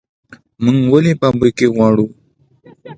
موږ ولې فابریکې غواړو؟